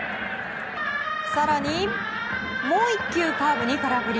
更にもう１球カーブに空振り。